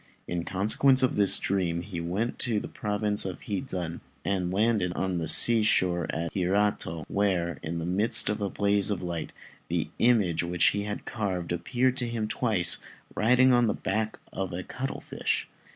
In consequence of this dream he went to the province of Hizen, and landed on the sea shore at Hirato, where, in the midst of a blaze of light, the image which he had carved appeared to him twice, riding on the back of a cuttlefish.